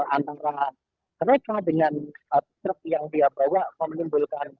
antara kereta dengan truk yang dia bawa menimbulkan